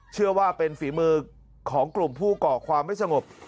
เชื่อว่าเป็นฝีมือของกลุ่มผู้ก่อความไม่สงบ